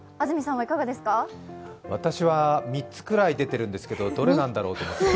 私は３つくらい出ているんですけど、どれなんだろう？